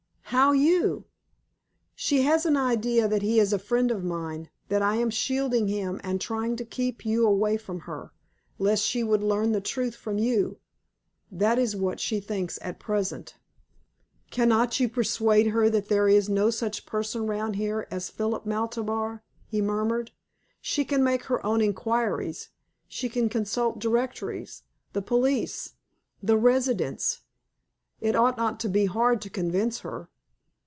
how you?" "She has an idea that he is a friend of mine that I am shielding him and trying to keep you away from her, lest she should learn the truth from you. That is what she thinks at present." "Cannot you persuade her that there is no such person round here as Philip Maltabar?" he murmured. "She can make her own inquiries, she can consult directories, the police, the residents. It ought not to be hard to convince her."